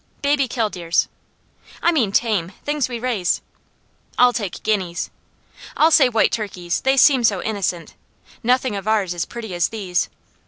"Baby killdeers." "I mean tame. Things we raise." "I'll take guineas." "I'll say white turkeys. They seem so innocent. Nothing of ours is pretty as these."